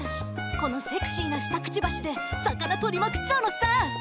このセクシーな下クチバシで魚捕りまくっちゃうのさ。